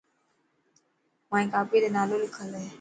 مائي ڪاپي تي نالو لکل هي.